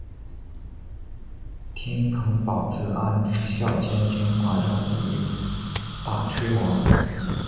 天平宝字二年孝谦天皇让位于大炊王。